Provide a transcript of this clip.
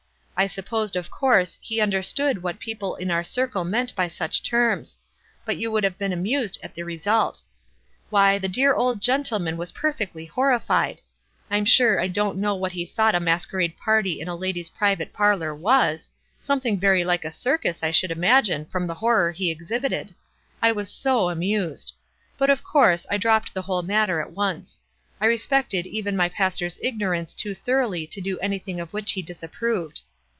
I supposed, of course, he understood what people in our circle meant by such terms ; but you would have been amused at the result. Why, the dear old gentleman was perfectly horrified. I'm sure I don't know what he thought a masquerade party in a lady's private parlor was — something very like a circus I should imagine from the horror he exhibited. I was s(j amused. But, of course, I dropped the whole matter at once. I respected even my pastor's ignorance too thoroughly to do anything of which he disapproved.